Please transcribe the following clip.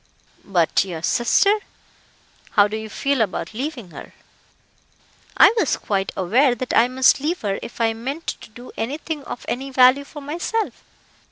"But your sister how do you feel about leaving her?" "I was quite aware that I must leave her if I meant to do anything of any value for myself."